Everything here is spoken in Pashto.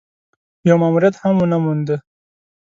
يو ماموريت هم ونه موند.